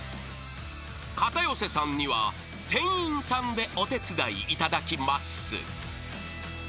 ［片寄さんには店員さんでお手伝いいただきます］